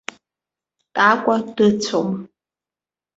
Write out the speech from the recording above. Такәа дыцәом.